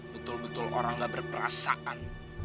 betul betul orang gak berperasaan